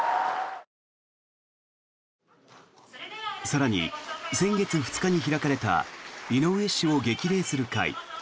更に、先月２日に開かれた井上氏を激励する会。